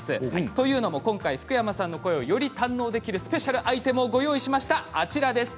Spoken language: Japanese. というのも今回福山さんの声をより堪能できるスペシャルアイテムをご用意しました。